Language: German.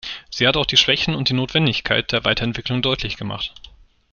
Sie hat auch die Schwächen und die Notwendigkeit der Weiterentwicklung deutlich gemacht.